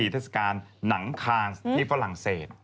เทศกาลหนังคานที่ฝรั่งเศส